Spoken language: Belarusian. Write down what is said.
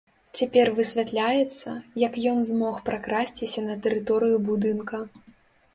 Цяпер высвятляецца, як ён змог пракрасціся на тэрыторыю будынка.